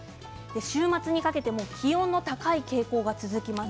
週末にかけても気温の高い傾向が続きます。